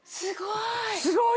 すごい。